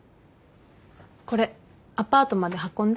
これアパートまで運んで。